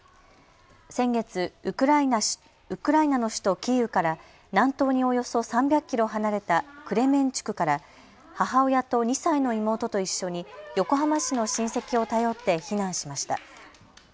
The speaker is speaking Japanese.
先月、ウクライナの首都キーウから南東におよそ３００キロ離れたクレメンチュクから母親と２歳の妹と一緒に横浜市の親戚を頼って避難しました。